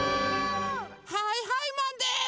はいはいマンです！